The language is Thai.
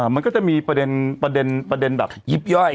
มันก็จะมีประเด็นประเด็นประเด็นแบบยิบย่อย